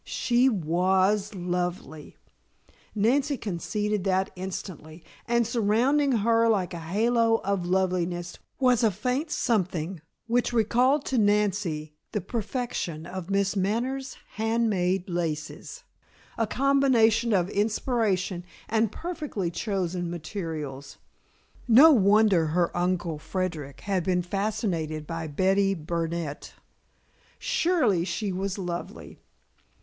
She was lovely; Nancy conceded that instantly, and surrounding her, like a halo of loveliness, was a faint something which recalled to Nancy the perfection of Miss Manners' hand made laces a combination of inspiration and perfectly chosen materials. No wonder her Uncle Frederic had been fascinated by Betty Burnett. Surely she was lovely.